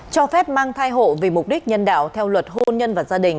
cho phép mang thai hộ vì mục đích nhân đạo theo luật hôn nhân và gia đình